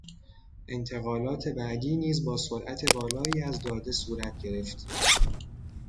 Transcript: انتقالات بعدی نیز با سرعت بالایی از داده صورت گرفت.